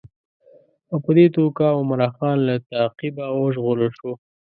او په دې توګه عمرا خان له تعقیبه وژغورل شو.